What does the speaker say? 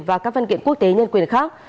và các văn kiện quốc tế nhân quyền khác